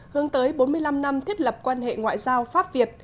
hướng tới bốn mươi năm năm thiết lập quan hệ ngoại giao pháp việt